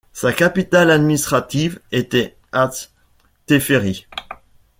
Sa capitale administrative était Atse Teferi.